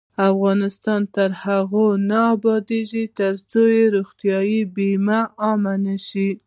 افغانستان تر هغو نه ابادیږي، ترڅو روغتیايي بیمه عامه نشي.